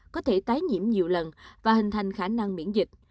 có thể tái nhiễm nhiều lần và hình thành khả năng miễn dịch